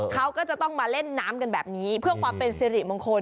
เขาก็จะต้องมาเล่นน้ำกันแบบนี้เพื่อความเป็นสิริมงคล